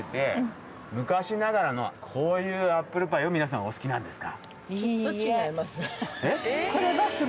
こういうアップルパイを皆さんお好きなんですか？